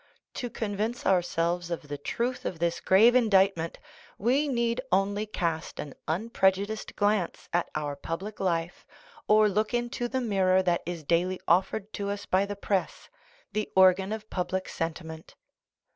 To convince ourselves of the truth of this grave indictment we need only cast an unprejudiced glance at our public life, or look into the mirror that is daily offered to us by the press, the organ of public sen timent.